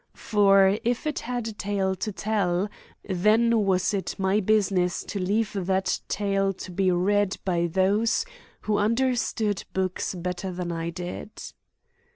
For, if it had a tale to tell, then was it my business to leave that tale to be read by those who understood books better than I did.